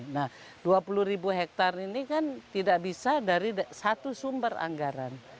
nah dua puluh ribu hektare ini kan tidak bisa dari satu sumber anggaran